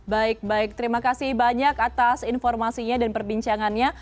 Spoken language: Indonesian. baik baik terima kasih banyak atas informasinya dan perbincangannya